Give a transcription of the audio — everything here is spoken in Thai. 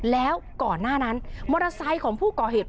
แล้วก่อนหน้านั้นมอเตอร์ไซค์ของผู้ก่อเหตุ